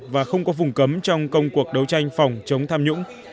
và không có vùng cấm trong công cuộc đấu tranh phòng chống tham nhũng